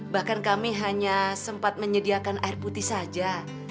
bahkan kami hanya sempat menyediakan air putih saja